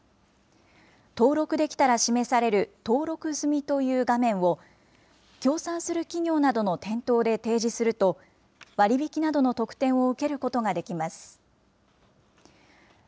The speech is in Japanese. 登録できたら示される登録済みという画面を、協賛する企業などの店頭で提示すると、割引などの特典を受けることができます。